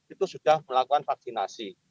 itu sudah melakukan vaksinasi